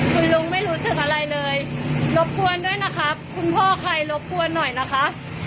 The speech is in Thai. คุณลุงไม่รู้สึกอะไรเลยรบกวนด้วยนะครับคุณพ่อใครรบกวนหน่อยนะคะ